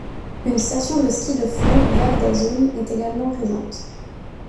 Une station de ski de fond, Val d’Azun, est également présente.